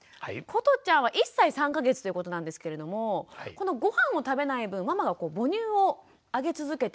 ことちゃんは１歳３か月ということなんですけれどもこのごはんを食べない分ママが母乳をあげ続けているという。